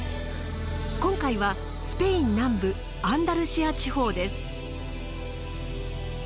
今回はスペイン南部アンダルシア地方です。